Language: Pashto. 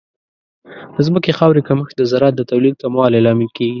د ځمکې خاورې کمښت د زراعت د تولید کموالی لامل کیږي.